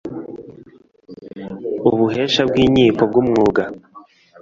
ubuhesha bw’inkiko bw’umwuga